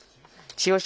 千代翔